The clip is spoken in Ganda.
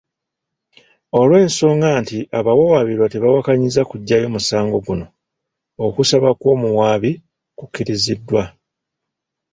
Olw'ensonga nti abawawaabirwa tebawakanyizza kuggyayo musango guno, okusaba kw'omuwaabi kukkiriziddwa.